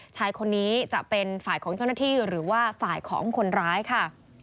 ชายคนนี้จะเป็นฝ่ายของเจ้าหน้าที่หรือว่าฝ่ายของคนร้ายค่ะ